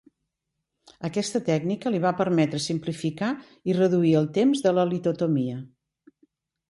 Aquesta tècnica li va permetre simplificar i reduir el temps de la litotomia.